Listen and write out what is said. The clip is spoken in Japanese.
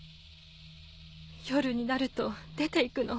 夜になると出ていくの。